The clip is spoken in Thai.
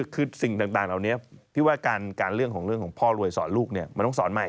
คือสิ่งต่างเหล่านี้พี่ว่าการเรื่องของพ่อรวยสอนลูกมันต้องสอนใหม่